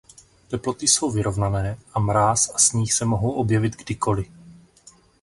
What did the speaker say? Teploty jsou vyrovnané a mráz a sníh se mohou objevit kdykoli.